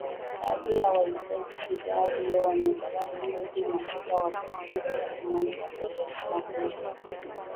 Baadhi ya waagizaji bidhaa hiyo wameendelea kuhodhi mafuta wakisubiri tathmini ya bei ya kila mwezi